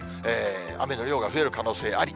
雨の量が増える可能性あり。